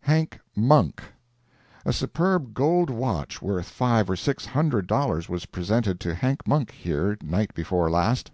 HANK MONK A superb gold watch, worth five or six hundred dollars, was presented to Hank Monk, here, night before last.